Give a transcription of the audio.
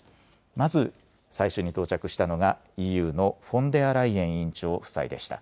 まず最初に到着したのが、ＥＵのフォンデアライエン委員長夫妻でした。